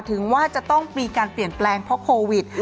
ถึงว่าจะต้องมีการเปลี่ยนแปลงเพราะโควิด